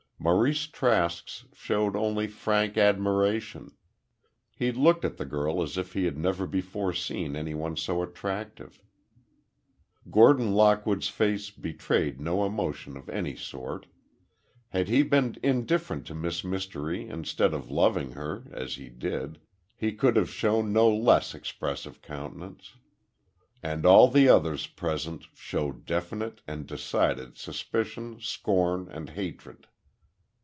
Maurice Trask's showed only frank admiration. He looked at the girl as if he had never before seen any one so attractive. Gordon Lockwood's face betrayed no emotion of any sort. Had he been indifferent to Miss Mystery instead of loving her, as he did, he could have shown no less expressive countenance. And all the others present showed definite and decided suspicion, scorn and hatred.